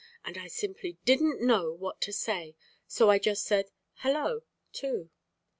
And I simply didn't know what to say, so I just said 'Hello,' too."